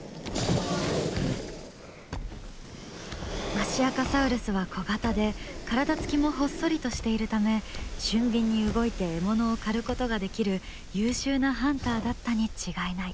マシアカサウルスは小型で体つきもほっそりとしているため俊敏に動いて獲物を狩ることができる優秀なハンターだったに違いない。